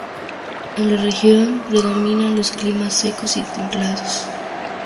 En la región predominan los climas secos y templados.